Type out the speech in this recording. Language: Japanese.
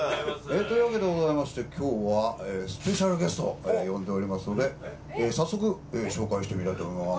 というわけでございまして今日はスペシャルゲストを呼んでおりますので早速紹介してみたいと思います。